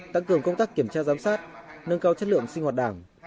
tăng cường công tác kiểm tra giám sát nâng cao chất lượng sinh hoạt đảng